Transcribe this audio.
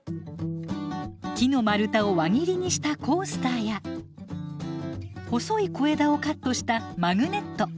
木の丸太を輪切りにしたコースターや細い小枝をカットしたマグネット。